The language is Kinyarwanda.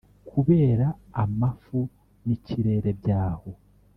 Kubera amafu n’ikirere byaho